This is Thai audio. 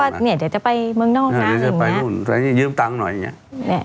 ว่าเนี้ยเดี๋ยวจะไปเมืองนอกทางอื่นแหละจะไปรุ่นยืมตังค์หน่อยอย่างเงี้ย